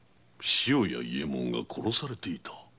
塩谷伊右衛門が殺された？